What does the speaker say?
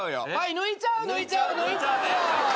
抜いちゃう。